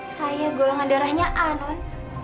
saya golongan darahnya a non